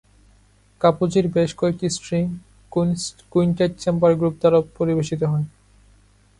কাপুজির বেশ কয়েকটি string quintet chamber group দ্বারাও পরিবেশিত হয়।